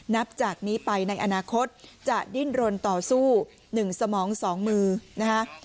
นับจากนี้ไปในอนาคตจะดิ้นรนต่อสู้๑สมอง๒มือนะคะ